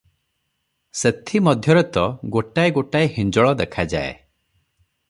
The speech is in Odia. ସେଥି ମଧ୍ୟରେ ତ ଗୋଟାଏ ଗୋଟାଏ ହିଞ୍ଜଳ ଦେଖାଯାଏ ।